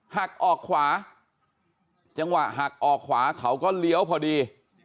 หักออกขวาจังหวะหักออกขวาเขาก็เลี้ยวพอดี